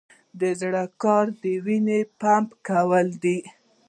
د زړه کار د وینې پمپ کول دي